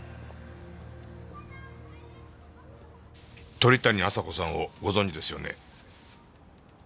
鳥谷亜沙子さんをご存じですよね？